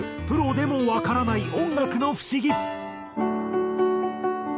プロでもわからない音楽の不思議。